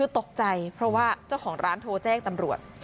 ตกใจเพราะว่าเจ้าของร้านโทรแจ้งตำรวจ